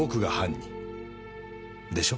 でしょ？